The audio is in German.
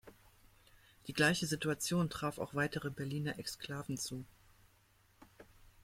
Die gleiche Situation traf auch weitere Berliner Exklaven zu.